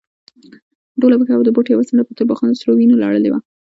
ټوله پښه او د بوټ يوه څنډه په توربخونو سرو وينو لړلې وه.